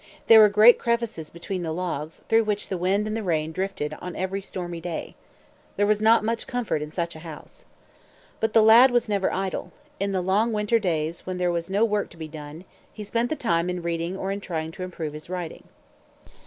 There were great crevices between the logs, through which the wind and the rain drifted on every stormy day. There was not much comfort in such a house. But the lad was never idle. In the long winter days, when there was no work to be done, he spent the time in reading or in trying to improve his writing.